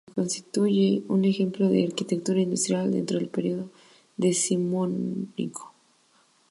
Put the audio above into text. Constituye un ejemplo de arquitectura industrial dentro el periodo decimonónico.